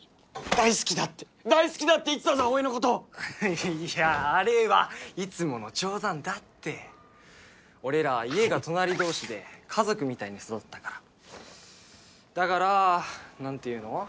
大好きだって大好きだって言ってたぞ葵のこといやあれはいつもの冗談だって俺らは家が隣どうしで家族みたいに育ったからだからなんていうの？